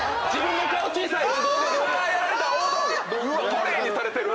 トレーにされてる！